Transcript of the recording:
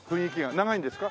長いんですか？